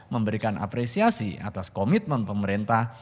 memberikan apresiasi atas komitmen pemerintah